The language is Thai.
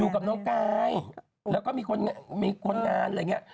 อยู่กับน้องกายแล้วก็มีคนมีคนงานอะไรอย่างนี้